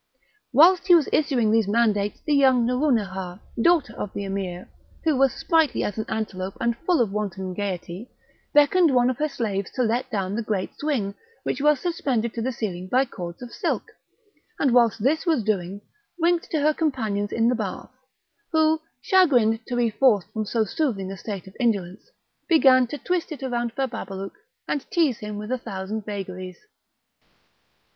Whilst he was issuing these mandates the young Nouronihar, daughter of the Emir, who was sprightly as an antelope, and full of wanton gaiety, beckoned one of her slaves to let down the great swing, which was suspended to the ceiling by cords of silk, and whilst this was doing, winked to her companions in the bath, who, chagrined to be forced from so soothing a state of indolence, began to twist it round Bababalouk, and tease him with a thousand vagaries.